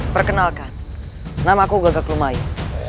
perkenalkan nama aku gagak lumayan